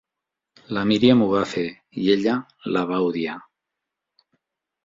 La Miriam ho va fer, i ella la va odiar.